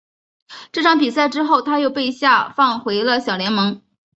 这场比赛之后他又被下放回了小联盟。